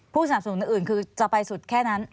สนับสนุนอื่นคือจะไปสุดแค่นั้น